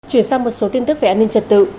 chuyển sang một số tin tức về an ninh trật tự